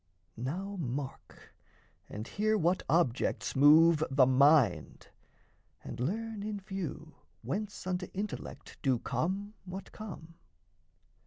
Now mark, and hear what objects move the mind, And learn, in few, whence unto intellect Do come what come.